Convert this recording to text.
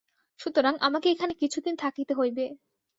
সুতরাং আমাকে এখানে কিছুদিন থাকিতে হইবে।